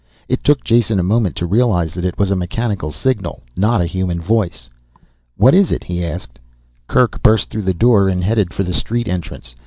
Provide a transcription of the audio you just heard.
It took Jason a moment to realize that it was a mechanical signal, not a human voice. "What is it?" he asked. Kerk burst through the door and headed for the street entrance.